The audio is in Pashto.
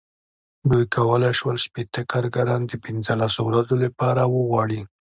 دوی کولای شول شپېته کارګران د پنځلسو ورځو لپاره وغواړي.